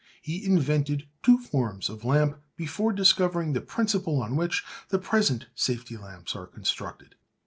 He invented two forms of lamp before discovering the principle on which the present safety lamps are constructed.